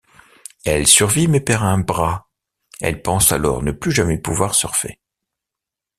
Elle survit mais perd un bras, elle pense alors ne plus jamais pouvoir surfer.